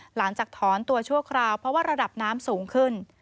หลังจากถอนตัวชั่วคราวเพราะว่าระดับน้ำสูงขึ้น